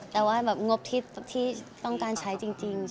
แต่ว่างบที่ต้องการใช้จริงคือประมาณนั้นค่ะ